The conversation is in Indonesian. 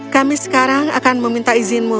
kami sekarang akan meminta izinmu